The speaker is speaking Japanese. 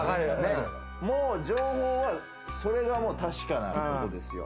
もう情報は、それが確かなことですよ。